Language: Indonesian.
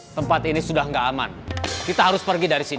tempat ini sudah tidak aman kita harus pergi dari sini